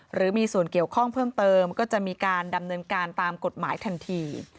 หรือมีส่วนเกี่ยวข้องเพิ่มเติมก็จะมีการดำเนินการตามกฎหมายทันที